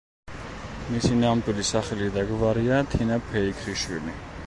მისი ნამდვილი სახელი და გვარია თინა ფეიქრიშვილი.